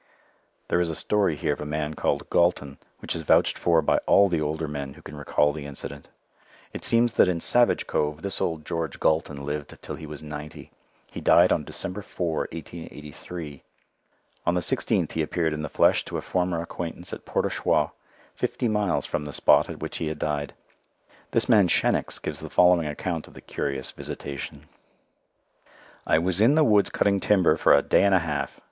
There is a story here of a man called Gaulton, which is vouched for by all the older men who can recall the incident. It seems that in Savage Cove this old George Gaulton lived till he was ninety. He died on December 4, 1883. On the 16th he appeared in the flesh to a former acquaintance at Port au Choix, fifty miles from the spot at which he had died. This man Shenicks gives the following account of the curious visitation: "I was in the woods cutting timber for a day and a half.